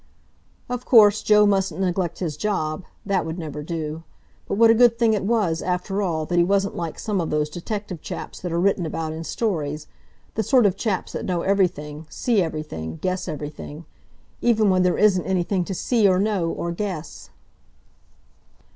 Of course, Joe mustn't neglect his job—that would never do. But what a good thing it was, after all, that he wasn't like some of those detective chaps that are written about in stories—the sort of chaps that know everything, see everything, guess everything—even where there isn't anything to see, or know, or guess!